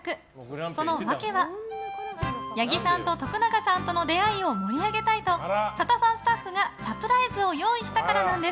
その訳は八木さんと徳永さんの出会いを盛り上げたいと「サタファン」スタッフがサプライズを用意したからなんです。